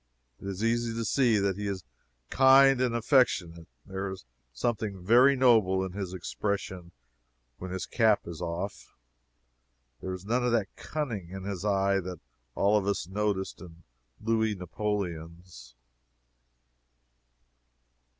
It is easy to see that he is kind and affectionate There is something very noble in his expression when his cap is off. There is none of that cunning in his eye that all of us noticed in Louis Napoleon's.